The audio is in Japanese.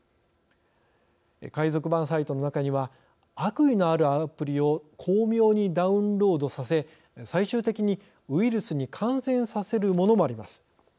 海賊版サイトの中には悪意のあるアプリを巧妙にダウンロードさせ最終的にウイルスに感染させるものもあります。